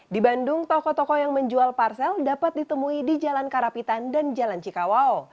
di bandung toko toko yang menjual parsel dapat ditemui di jalan karapitan dan jalan cikawau